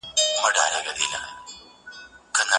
نالي دي ډېره نرمه او ښایسته ده.